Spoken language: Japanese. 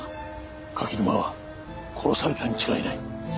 柿沼は殺されたに違いない。